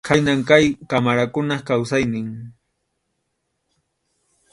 Khaynam kay qamarakunap kawsaynin.